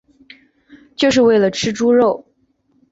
就是为了吃猪肉